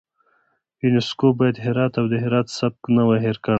یونسکو باید هرات او د هرات سبک نه وای هیر کړی.